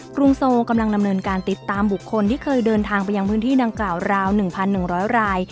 กรุงโซกำลังดำเนินการติดตามบุคคลที่เคยเดินทางไปยังพื้นที่ดังกล่าวราว๑๑๐๐ราย